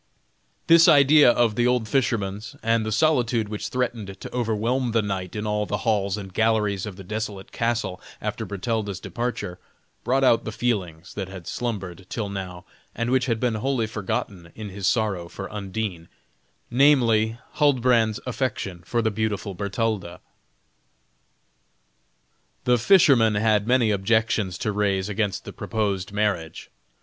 This idea of the old fisherman's, and the solitude which threatened to overwhelm the knight in all the halls and galleries of the desolate castle, after Bertalda's departure, brought out the feelings that had slumbered till now and which had been wholly forgotten in his sorrow for Undine; namely, Huldbrand's affection for the beautiful Bertalda. The fisherman had many objections to raise against the proposed marriage.